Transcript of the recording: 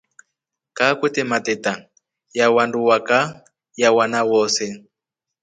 Kaa kwete mateta ya wandu wa kaa ya wana wose.